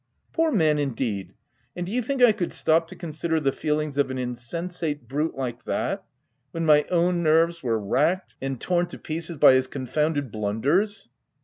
"Poor man indeed! and do you think I could stop to consider the feelings of an insen sate brute like that, when my own nerves were racked and torn to pieces by his confounded blunders?"